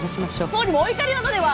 総理もお怒りなのでは？